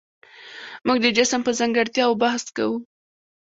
موږ د جسم په ځانګړتیاوو بحث کوو.